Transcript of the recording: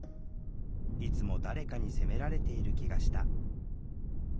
いつも誰かに責められている気がした。